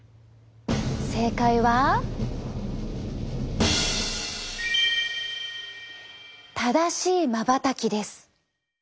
正解は正しいまばたきです！